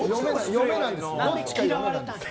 嫁なんですよ。